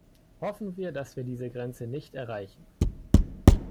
Hoffen wir, dass wir diese Grenze nicht erreichen.